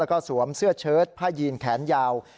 แล้วก็สวมเสื้อเชิดผ้ายีนแขนยาว